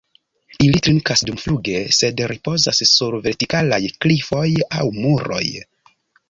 Ili trinkas dumfluge, sed ripozas sur vertikalaj klifoj aŭ muroj.